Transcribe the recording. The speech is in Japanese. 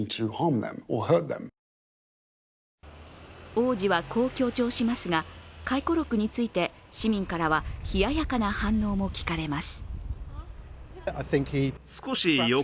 王子はこう強調しますが、回顧録について市民からは冷ややかな反応も聞かれます。